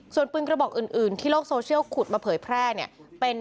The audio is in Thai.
ส่วนปืนกระบอกอื่นที่โลกโซเชียลขุดมาเผยแพร่เนี่ย